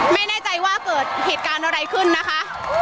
ไม่แน่ใจว่าเกิดเหตุการณ์อะไรขึ้นนะคะ